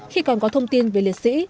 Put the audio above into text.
khi còn có thông tin về liệt sĩ